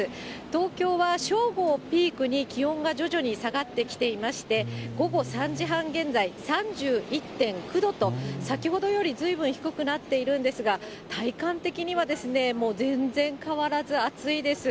東京は正午をピークに気温が徐々に下がってきていまして、午後３時半現在、３１．９度と、先ほどよりずいぶん低くなっているんですが、体感的にはもう全然変わらず暑いです。